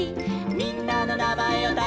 「みんなのなまえをたせば」